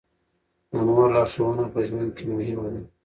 د مور لارښوونه په ژوند کې مهمه ده.